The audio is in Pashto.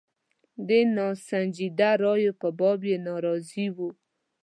د ناسنجیده رویو په باب یې ناراضي وو.